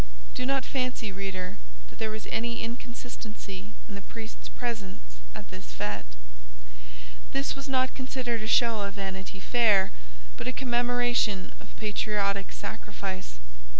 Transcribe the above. Do not fancy, reader, that there was any inconsistency in the priest's presence at this fête. This was not considered a show of Vanity Fair, but a commemoration of patriotic sacrifice.